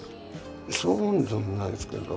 そうでもないですけど。